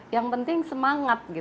yang penting semangat